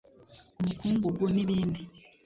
umukungugu n’ibindi